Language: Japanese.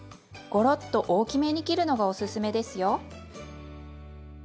ごろっと大きめに切るのがおすすめですよ。